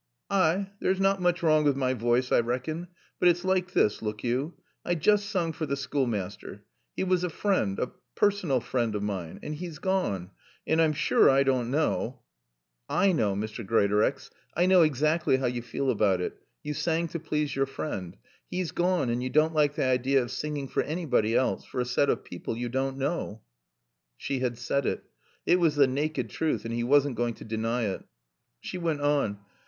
"Ay, there's not mooch wrong with my voice, I rackon. But it's like this, look yo. I joost soong fer t' schoolmaaster. He was a friend a personal friend of mine. And he's gone. And I'm sure I doan' knaw " "I know, Mr. Greatorex. I know exactly how you feel about it. You sang to please your friend. He's gone and you don't like the idea of singing for anybody else for a set of people you don't know." She had said it. It was the naked truth and he wasn't going to deny it. She went on.